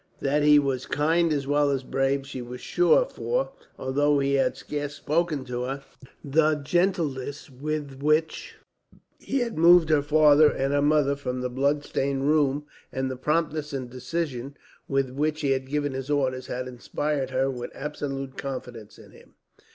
That he was kind as well as brave she was sure for, although he had scarce spoken to her, the gentleness with which he had moved her father and her mother from the bloodstained room, and the promptness and decision with which he had given his orders, had inspired her with absolute confidence in him.